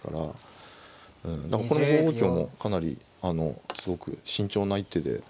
だから５五香もかなりすごく慎重な一手で。